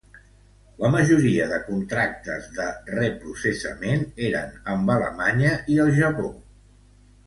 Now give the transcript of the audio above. La majoria de contractes de reprocessament eren amb Alemanya i el Japó.